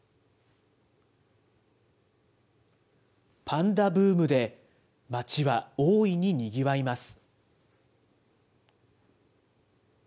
パンダブームで街は大いににぎわいます。